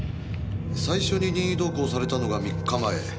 最初に任意同行されたのが３日前。